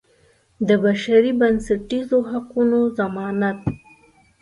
د بشري بنسټیزو حقوقو ضمانت.